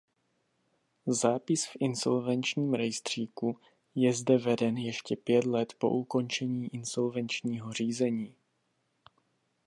Zápis v insolvenčním rejstříku je zde veden ještě pět let po ukončení insolvenčního řízení.